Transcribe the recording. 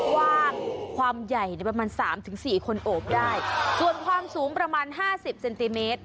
กว้างความใหญ่ในประมาณสามถึงสี่คนโอบได้ส่วนความสูงประมาณห้าสิบเซนติเมตร